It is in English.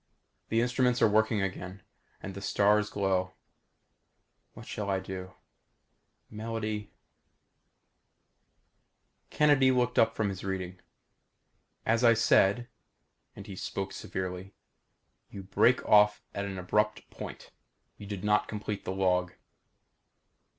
The instruments are working again. Again the stars glow. What shall I do. Melody.... Kennedy looked up from his reading. "As I said," and he spoke severely "you break off at an abrupt point. You did not complete the log."